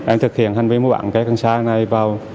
em thực hiện hành vi mua bán cây cần sa này vào